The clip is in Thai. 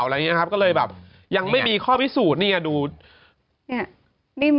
อะไรอย่างนี้นะครับก็เลยแบบยังไม่มีข้อพิสูจน์นี่ไงดูเนี่ย